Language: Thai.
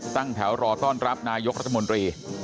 ตั้งแถวรอต้อนรับนายกรัฐมนตรี